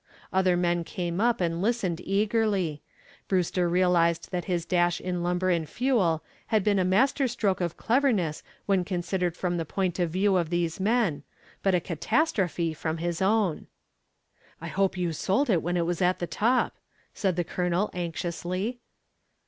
Other men came up and listened eagerly. Brewster realized that his dash in Lumber and Fuel had been a master stroke of cleverness when considered from the point of view of these men, but a catastrophe from his own. "I hope you sold it when it was at the top," said the Colonel anxiously.